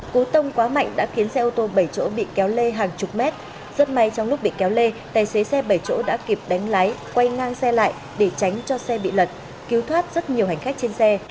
cú tông quá mạnh đã khiến xe ô tô bảy chỗ bị kéo lê hàng chục mét rất may trong lúc bị kéo lê tài xế xe bảy chỗ đã kịp đánh lái quay ngang xe lại để tránh cho xe bị lật cứu thoát rất nhiều hành khách trên xe